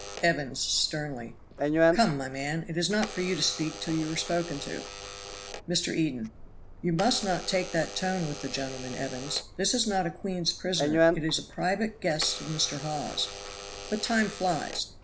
Evans (sternly). "Come, my man, it is not for you to speak till you are spoken to." Mr. Eden. "You must not take that tone with the gentleman, Evans this is not a queen's prisoner, it is a private guest of Mr. Hawes. But time flies.